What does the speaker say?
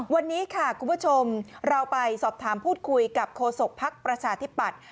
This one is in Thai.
วันนี้ค่ะคุณผู้ชมเราไปสอบถามพูดคุยกับโฆษกภักดิ์ประชาธิปัตย